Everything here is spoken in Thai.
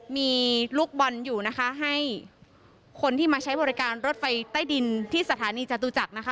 มีลูกบอลอยู่นะคะให้คนที่มาใช้บริการรถไฟใต้ดินที่สถานีจตุจักรนะคะ